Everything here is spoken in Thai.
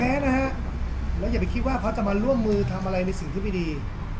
นะฮะแล้วอย่าไปคิดว่าพระจะมาร่วมมือทำอะไรในสิ่งที่ไม่ดี